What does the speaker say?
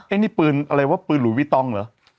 นี่ปืนอะไรวะปืนหรูวิตองเหรอ